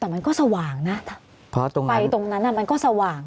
แต่มันก็สว่างนะ